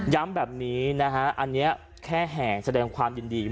ย้ำแบบนี้อันนี้แค่แห่งแสดงความยินดี